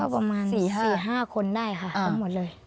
ประมาณ๔๕คนได้ค่ะทั้งหมดเลย